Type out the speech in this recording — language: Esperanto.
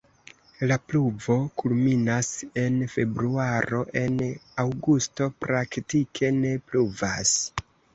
La pluvo kulminas en februaro, en aŭgusto praktike ne pluvas.